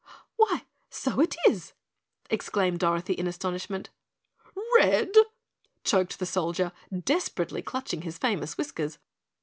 "Why, so it is!" exclaimed Dorothy in astonishment. "Red?" choked the Solider, desperately clutching his famous whiskers.